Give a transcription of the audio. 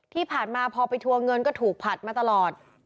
ที่ผ่านมาพอไปทัวร์เงินก็ถูกผลัดมาตลอด